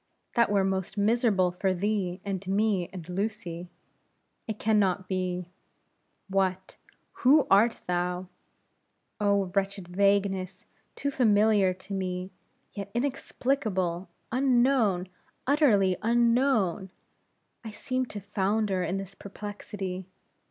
that were most miserable for thee, and me, and Lucy. It can not be. What, who art thou? Oh! wretched vagueness too familiar to me, yet inexplicable, unknown, utterly unknown! I seem to founder in this perplexity.